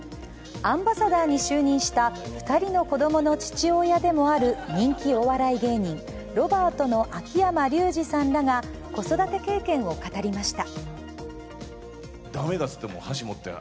アンバサダーに就任した２人の子供の父親でもある人気お笑い芸人、ロバートの秋山竜次さんらが子育て経験を語りました。